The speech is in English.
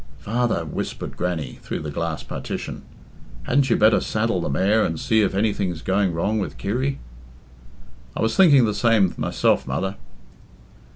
"Father," whimpered Grannie, through the glass partition, "hadn't you better saddle the mare and see if any thing's going wrong with Kirry?" "I was thinking the same myself, mother."